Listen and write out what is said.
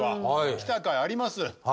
来たかいあります。